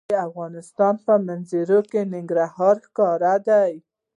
د افغانستان په منظره کې ننګرهار ښکاره ده.